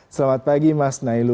selamat pagi mas nailul